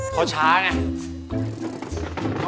มาคุณเห็นมา